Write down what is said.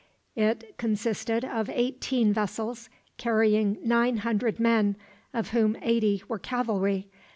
It consisted of eighteen vessels, carrying nine hundred men, of whom eighty were cavalry.